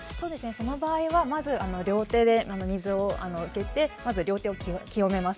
その場合はまず両手で水を受けて両手を清めます。